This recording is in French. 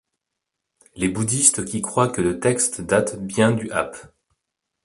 Les bouddhistes qui croient que le texte date bien du ap.